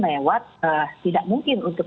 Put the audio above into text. lewat tidak mungkin untuk